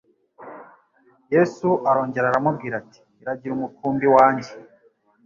Yesu arongera aramubwira ati «Ragira umukurubi wanjye!"